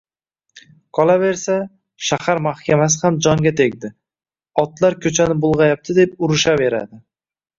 Qolaversa, shahar mahkamasi ham jonga tegdi otlar ko`chani bulg`ayapti, deb urishaveradi